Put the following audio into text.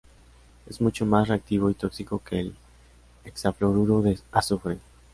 Es mucho más reactivo y tóxico que el hexafluoruro de azufre.